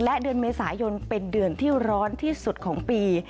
และเดือนเมษายนเป็นเดือนที่ร้อนที่สุดของปี